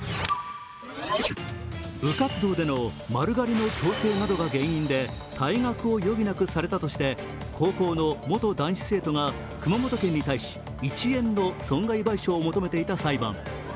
部活動での丸刈りの強制などが原因で退学を余儀なくされたとして高校の元男子生徒が熊本県に対して１円の損害賠償を求めていた裁判。